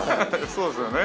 そうですよね。